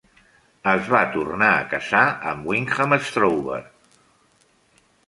Es va tornar a casar amb Wyndham Strover.